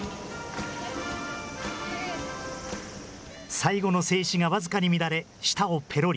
最後の静止が僅かに乱れ、舌をぺろり。